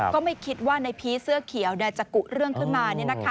ก็ไม่คิดว่าในพีชเสื้อเขียวจะกุเรื่องขึ้นมา